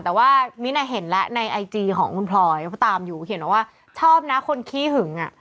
แต่ว่ามิ้นท์เห็นแล้วในไอจีของคุณพลอยเขาตามอยู่เขียนมาว่าชอบนะคนขี้หึงอ่ะ